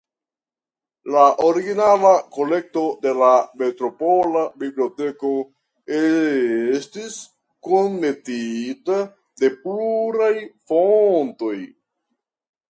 La origina kolekto de la "metropola biblioteko" estis kunmetita de pluraj fontoj.